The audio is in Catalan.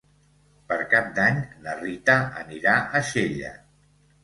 Per Cap d'Any na Rita anirà a Xella.